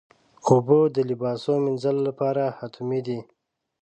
اوبه د لباسو مینځلو لپاره حتمي دي.